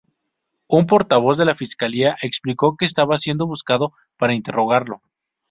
Un portavoz de la fiscalía explicó que estaba siendo buscado para interrogarlo.